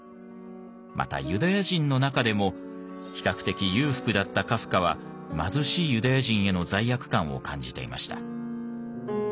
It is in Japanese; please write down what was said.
またユダヤ人の中でも比較的裕福だったカフカは貧しいユダヤ人への罪悪感を感じていました。